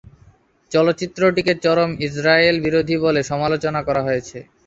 চলচ্চিত্রটিকে চরম ইসরায়েল বিরোধী বলে সমালোচনা করা হয়েছে।